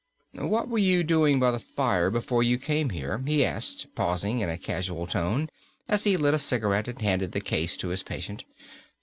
"What were you doing by the fire before you came here?" he asked, pausing, in a casual tone, as he lit a cigarette and handed the case to his patient.